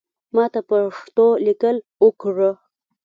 ماته پښتو لیکل اوکړه